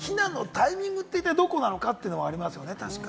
タイミングがどこなのかというのがありますよね。